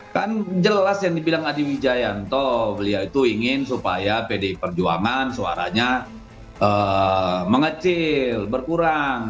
kan jelas yang dibilang adi wijayanto beliau itu ingin supaya pdi perjuangan suaranya mengecil berkurang